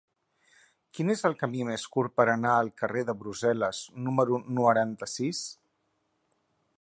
Quin és el camí més curt per anar al carrer de Brussel·les número noranta-sis?